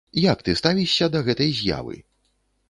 Як ты ставішся да гэтай з'явы?